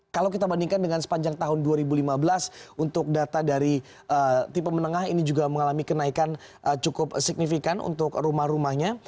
kalau kita bandingkan dengan sepanjang tahun dua ribu lima belas untuk data dari tipe menengah ini juga mengalami kenaikan cukup signifikan untuk rumah rumahnya